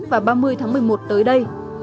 hai mươi chín và ba mươi tháng một mươi một tới đây